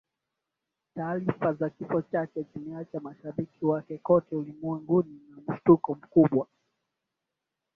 Taarifa za kifo chake zimeacha mashabiki wake kote ulimwenguni na mshutuko mkubwa